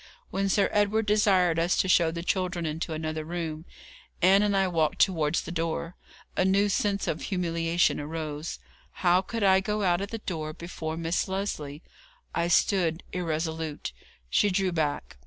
When Sir Edward desired us to show the children into another room, Ann and I walked towards the door. A new sense of humiliation arose. How could I go out at the door before Miss Lesley? I stood irresolute. She drew back.